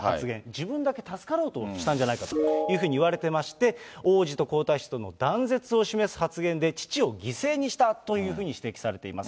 自分だけ助かろうとしたんじゃないかといわれてまして、王子と皇太子との断絶を示す発言で、父を犠牲にしたというふうに指摘されています。